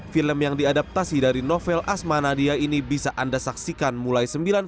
film yang diadaptasi dari novel asma nadia ini bisa anda saksikan mulai sembilan februari